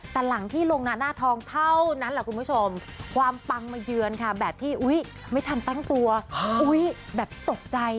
แต่หลังที่ลงหน้าทองเท่านั้นแหละคุณผู้ชมความปังมาเยือนค่ะแบบที่ไม่ทันตั้งตัวอุ๊ยแบบตกใจ